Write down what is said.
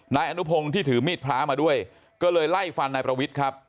นายอนุพงศ์ที่ถือมีดพระมาด้วยก็เลยไล่ฟันนายประวิทย์ครับ